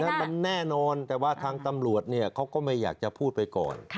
มันแน่นอนแต่ว่าทางตำรวจเนี่ยเขาก็ไม่อยากจะพูดไปก่อน